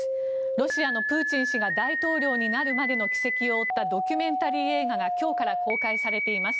ロシアのプーチン氏が大統領になるまでの軌跡を追ったドキュメンタリー映画が今日から公開されています。